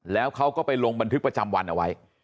แล้วเขาก็ไปลงบันทึกประจำวันเอาไว้